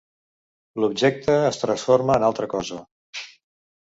L'objecte es transforma en altra cosa.